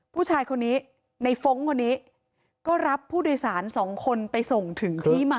ผู้ชายคนนี้ในฟงค์คนนี้ก็รับผู้โดยสารสองคนไปส่งถึงที่มา